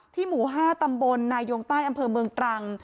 ที่หมูห้าตำบลนายงต้ายอำเภอเมืองตรัง